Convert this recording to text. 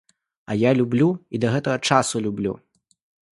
А я люблю, і да гэтага часу люблю.